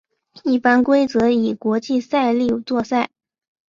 一般规则以国际赛例作赛。